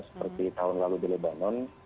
seperti tahun lalu di lebanon